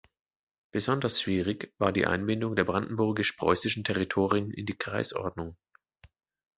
Besonders schwierig war die Einbindung der brandenburgisch-preußischen Territorien in die Kreisordnung.